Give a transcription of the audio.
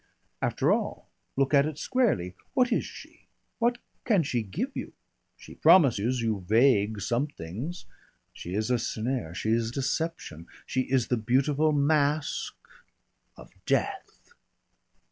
After all, look at it squarely. What is she? What can she give you? She promises you vague somethings.... She is a snare, she is deception. She is the beautiful mask of death."